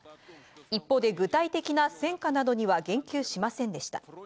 一方で具体的な戦果などには言及しませんでした。